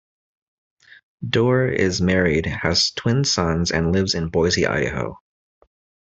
Doerr is married, has twin sons and lives in Boise, Idaho.